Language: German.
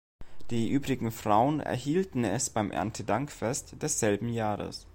Die übrigen Frauen erhielten es beim Erntedankfest desselben Jahres.